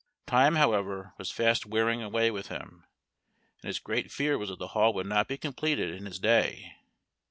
Time, however, was fast wearing away with him, and his great fear was that the hall would not be completed in his day.